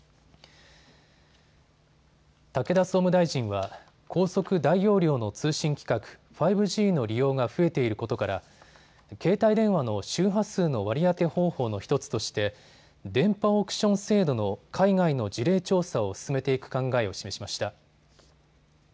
武田総務大臣は高速大容量の通信規格、５Ｇの利用が増えていることから携帯電話の周波数の割り当て方法の１つとして電波オークション制度の海外の事例調査を進めていく考えを示しました。